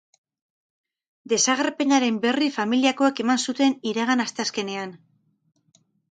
Desagerpenaren berri familiakoek eman zuten iragan asteazkenean.